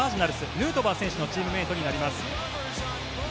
ヌートバー選手のチームメートになります。